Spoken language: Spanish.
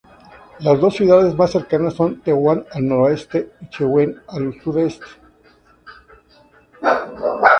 Las dos ciudades más cercanas son Tetuán al noroeste y Chauen al sudoeste.